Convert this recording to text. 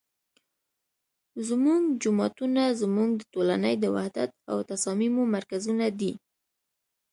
زمونږ جوماتونه زمونږ د ټولنې د وحدت او تصاميمو مرکزونه دي